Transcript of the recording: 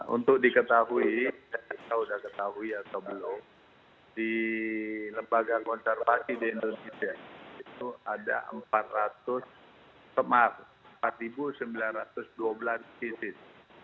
untuk diketahui kita sudah ketahui atau belum di lembaga konservasi di indonesia itu ada empat ratus empat sembilan ratus dua belas krisis